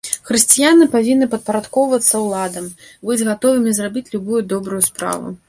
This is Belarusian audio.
Хрысціяне павінны падпарадкоўвацца ўладам, быць гатовымі зрабіць любую добрую справу.